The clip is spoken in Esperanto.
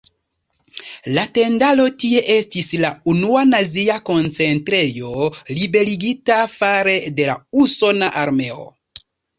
La tendaro tie estis la unua nazia koncentrejo liberigita fare de la usona armeo.